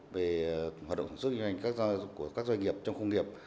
về hoạt động sản xuất doanh nghiệp trong khu công nghiệp